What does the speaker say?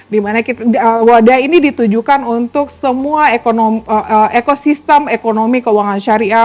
dimana wadah ini ditujukan untuk semua ekosistem ekonomi keuangan syariah